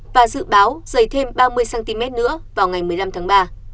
và dự báo dày thêm ba mươi cm nữa vào ngày một mươi năm tháng ba